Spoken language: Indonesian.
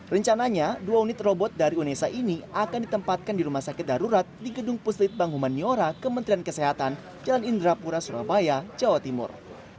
rencananya dua unit robot dari unesa ini akan ditempatkan di rumah sakit darurat di gedung puslit bang human nyora kementerian kesehatan jalan indrapura surabaya jawa timur